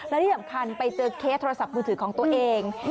และที่สำคัญไปเจอเคสโทรศัพท์มือถือของตัวเอง